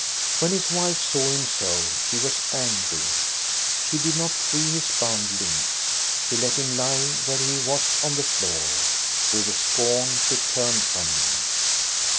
When his wife saw him so, she was angry. She did not free his bound limbs ; she let him lie where he was on the floor. With scorn she turned from him.